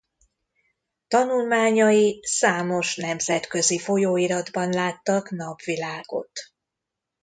Tanulmányai számos nemzetközi folyóiratban láttak napvilágot.